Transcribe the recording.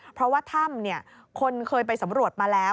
เพราะว่าถ้ำคนเคยไปสำรวจมาแล้ว